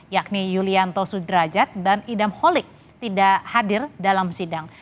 yakni yulianto sudrajat dan idam holik tidak hadir dalam sidang